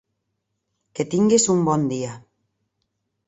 Que tinguis bon dia!